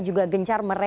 juga gencar merendah